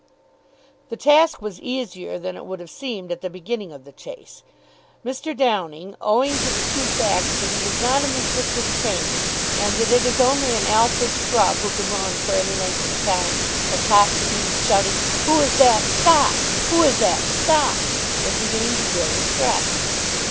The task was easier than it would have seemed at the beginning of the chase. Mr. Downing, owing to the two facts that he was not in the strictest training, and that it is only an Alfred Shrubb who can run for any length of time at top speed shouting "Who is that? Stop! Who is that? Stop!" was beginning to feel distressed.